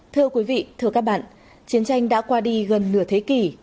thưa quý vị thưa các bạn chiến tranh đã qua đi gần nửa thế kỷ